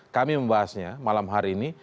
kami membahasnya malam hari ini